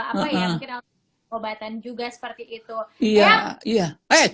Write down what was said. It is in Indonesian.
apa ya mungkin ada obatan juga seperti itu